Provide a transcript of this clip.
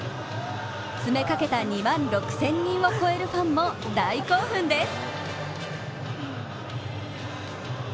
詰めかけた２万６０００人を超えるファンも大興奮です。